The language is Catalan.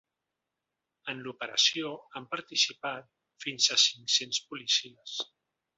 En l’operació han participat fins a cinc-cents policies.